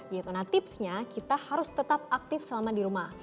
yaitu nah tipsnya kita harus tetap aktif selama di rumah